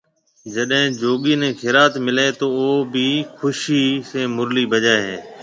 جڏي جوگي ني خيريئات ملي تو او بِي خوشي مرلي بجائي ھيَََ